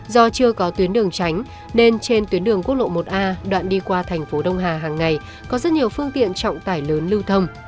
do chưa có tuyến đường tránh nên trên tuyến đường quốc lộ một a đoạn đi qua thành phố đông hà hàng ngày có rất nhiều phương tiện trọng tải lớn lưu thông